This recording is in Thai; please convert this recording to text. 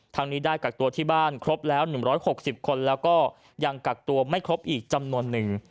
นี้ได้กักตัวที่บ้านครบแล้ว๑๖๐คนแล้วก็ยังกักตัวไม่ครบอีกจำนวนหนึ่ง